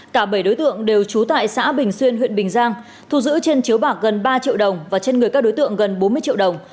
cả bảy đối tượng đều trú tại xã bình xuyên huyện bình giang thu giữ trên chiếu bạc gần ba triệu đồng và trên người các đối tượng gần bốn mươi triệu đồng